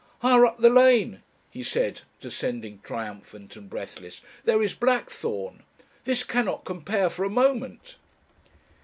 "Higher up the lane," he said, descending triumphant and breathless, "there is blackthorn.... This cannot compare for a moment...."